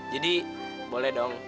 jadi boleh dong